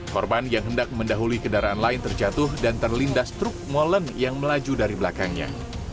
korban yang hendak mendahului kendaraan lain terjatuh dan terlindas truk molen yang melaju dari belakangnya